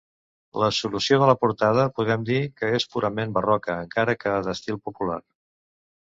La solució de la portada podem dir que és purament barroca encara que d'estil popular.